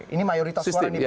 ini mayoritas suara nih pak